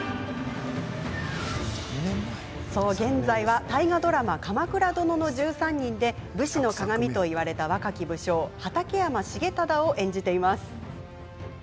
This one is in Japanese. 現在は大河ドラマ「鎌倉殿の１３人」で武士のかがみといわれた若き武将畠山重忠を演じています。